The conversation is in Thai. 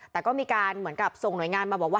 แต่ก็มีการเหมือนกับส่งหน่วยงานมาบอกว่า